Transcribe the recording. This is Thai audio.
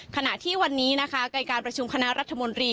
ขณะที่วันนี้นะคะในการประชุมคณะรัฐมนตรี